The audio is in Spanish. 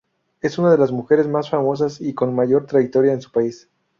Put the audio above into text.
Es una de las mujeres más famosas y con mayor trayectoria en su país.